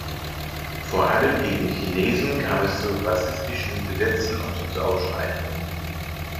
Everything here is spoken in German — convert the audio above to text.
Vor allem gegen Chinesen kam es zu rassistischen Gesetzen und zu Ausschreitungen.